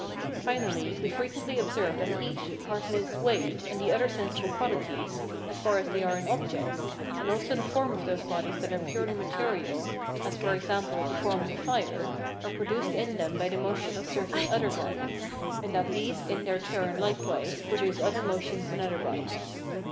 Finally, we frequently observe that heat [hardness, weight], and the other sensible qualities, as far as they are in objects, and also the forms of those bodies that are purely material, as, for example, the forms of fire, are produced in them by the motion of certain other bodies, and that these in their turn likewise produce other motions in other bodies.